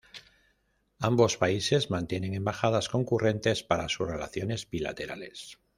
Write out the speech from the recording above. Ambos países mantienen embajadas concurrentes para sus relaciones bilaterales.